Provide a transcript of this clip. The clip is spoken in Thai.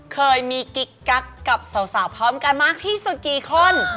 เคยมีกิ๊กกักกับสาวพร้อมกันมากที่สุดกี่คน